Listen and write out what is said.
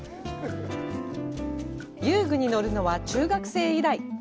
遊具に乗るのは中学生以来。